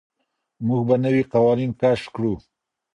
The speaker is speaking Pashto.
موږ به نوي قوانين کشف کړو.